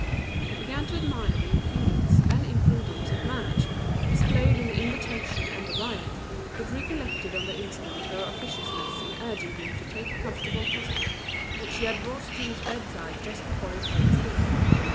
He began to admire the impudence and imprudence of Madge, displayed in the invitation and the riot, but recollected on the instant her officiousness in urging him to take a comfortable posset, which she had brought to his bedside just before he fell asleep.